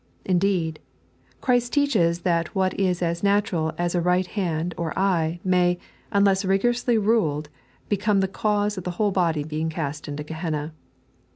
Indeed, Christ teaches that what is as natural as a right band or eye, may, unless rigorously ruled, become the cause of the whole body being cast into Gehenna.